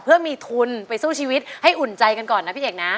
เพื่อมีทุนไปสู้ชีวิตให้อุ่นใจกันก่อนนะพี่เอกนะ